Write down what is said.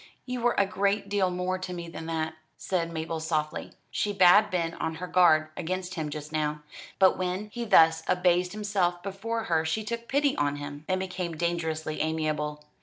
"You were a great deal more to me than that," said Mabel softly. She bad been on her guard against him just now, but when he thus abased himself before her she took pity upon him, and became dangerously amiable.